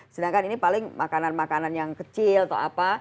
sedangkan ini paling makanan makanan yang kecil atau apa